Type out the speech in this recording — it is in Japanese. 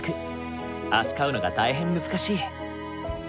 扱うのが大変難しい。